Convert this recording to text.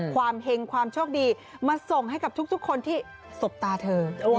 เห็งความโชคดีมาส่งให้กับทุกคนที่สบตาเธอ